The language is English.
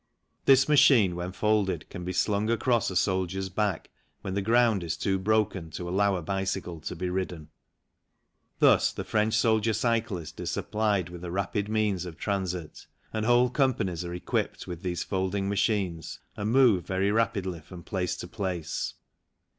This machine, when folded, can be slung across a soldier's back when the ground is too broken to allow a bicycle to be ridden. Thus, the French soldier cyclist is supplied with a rapid means of transit, and whole companies are equipped with these folding machines and move very rapidly from place to place.